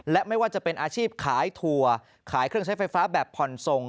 และไม่ว่าจะเป็นอาชีพขายถั่วขายเครื่องใช้ไฟฟ้าแบบผ่อนส่ง